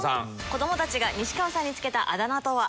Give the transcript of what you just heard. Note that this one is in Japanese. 子どもたちが西川さんに付けたあだ名とは？